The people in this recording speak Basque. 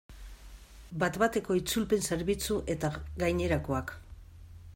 Bat-bateko itzulpen zerbitzu eta gainerakoak.